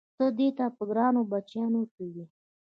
ته د دې په ګرانو بچیانو کې وې؟